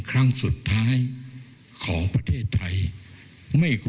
ก็ลับมาได้